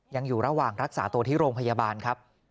ยังอยู่ระหว่างรักษาตัวที่โรงพยาบาลครับ